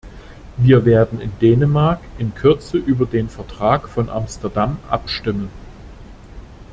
Wir werden in Dänemark in Kürze über den Vertrag von Amsterdam abstimmen.